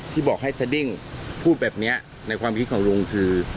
ที่บอกให้สดิ้งพูดแบบนี้ในความคิดของลุงคือ